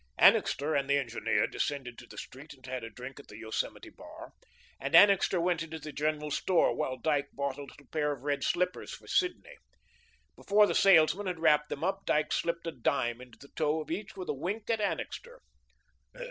Annixter and the engineer descended to the street and had a drink at the Yosemite bar, and Annixter went into the General Store while Dyke bought a little pair of red slippers for Sidney. Before the salesman had wrapped them up, Dyke slipped a dime into the toe of each with a wink at Annixter.